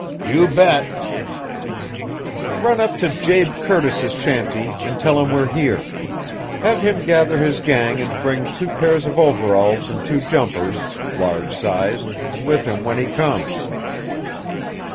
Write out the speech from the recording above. "You bet." "Run up to Jabe Curtis's shanty, and tell him we're here. Have him gather his gang and bring two pairs of overalls and two jumpers large size with him when he comes."